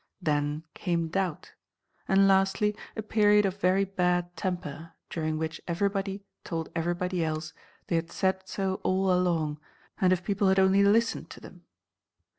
Then came doubt, and lastly, a period of very bad temper during which everybody told everybody else they had said so all along, and if people had only listened to them—!